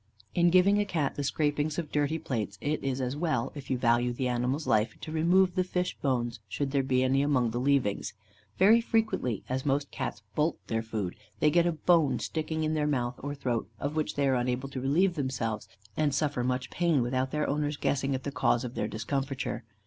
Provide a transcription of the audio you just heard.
In giving a Cat the scrapings of dirty plates, it is as well, if you value the animal's life, to remove the fish bones, should there be any among the leavings. Very frequently, as most Cats bolt their food, they get a bone sticking in their mouth or throat, of which they are unable to relieve themselves, and suffer much pain without their owner's guessing at the cause of their discomforture.